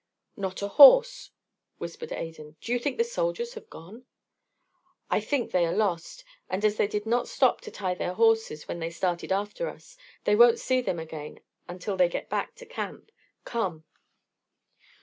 "Not a horse," whispered Adan. "Do you think the soldiers have gone?" "I think they are lost, and as they did not stop to tie their horses when they started after us, they won't see them again until they get back to camp. Come."